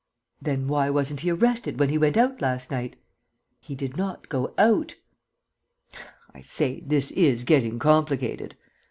"Then why wasn't he arrested when he went out last night?" "He did not go out." "I say, this is getting complicated!"